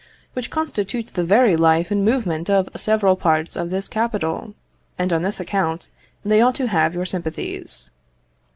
which constitute the very life and movement of several parts of this capital, and on this account they ought to have your sympathies."